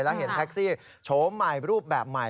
แล้วเห็นแท็กซี่โฉมใหม่รูปแบบใหม่